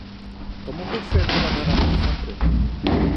Com ho puc fer per anar a Gallifa amb tren?